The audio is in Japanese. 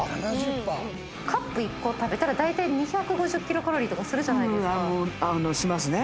カップ１個食べたらだいたい２５０キロカロリーとかするじゃないですか。